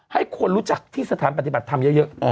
ให้คนรู้จักที่สถานปฏิบัติธรรมเยอะ